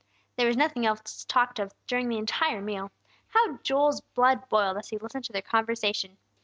There was nothing else talked of during the entire meal. How Joel's blood boiled as he listened to their conversation!